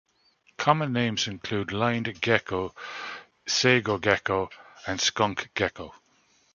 Common names include lined gecko, sago gecko, and skunk gecko.